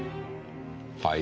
はい？